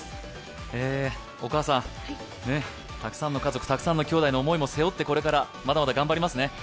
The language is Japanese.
お母さん、たくさんの家族、たくさんのきょうだいも背負って、これからまだまだ頑張りますね。